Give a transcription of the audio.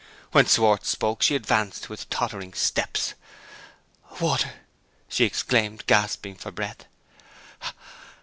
When Schwartz spoke she advanced with tottering steps. "Water!" she exclaimed, gasping for breath.